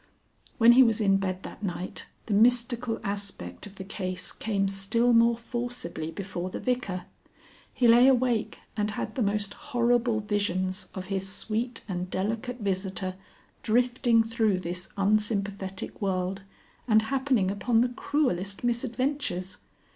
When he was in bed that night the mystical aspect of the case came still more forcibly before the Vicar. He lay awake and had the most horrible visions of his sweet and delicate visitor drifting through this unsympathetic world and happening upon the cruellest misadventures.